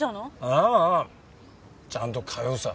あぁあぁちゃんと通うさ。